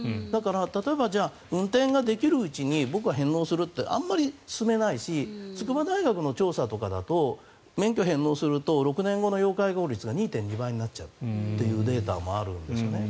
例えば運転ができるうちに僕は返納するってあまり勧めないし筑波大学の調査とかだと免許返納すると６年後の要介護率が２．２倍になるデータもあるんですよね。